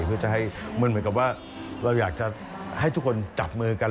เพื่อจะให้มันเหมือนกับว่าเราอยากจะให้ทุกคนจับมือกัน